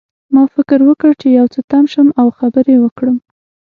ما فکر وکړ چې یو څه تم شم او خبرې وکړم